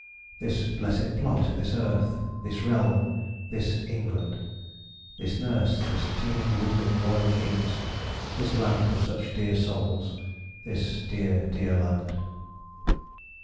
This blessed plot, this earth, this realm, this England, This nurse, this teeming womb of royal kings, ... This land of such dear souls, this dear, dear land.